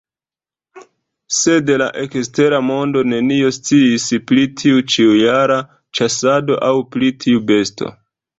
Sed la ekstera mondo nenion sciis pri tiu ĉiujara ĉasado aŭ pri tiu besto.